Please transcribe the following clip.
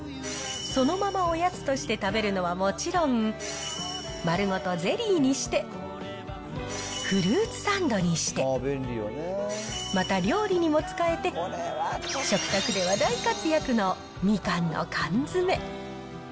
そのままおやつとして食べるのはもちろん、丸ごとゼリーにして、フルーツサンドにして、また料理にも使えて、食卓では大活躍のみかんの缶詰。